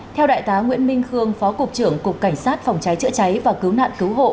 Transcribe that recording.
theo đại tá nguyễn minh khương phó cục trưởng cục cảnh sát phòng cháy chữa cháy và cứu nạn cứu hộ